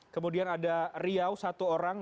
kemudian ada riau satu orang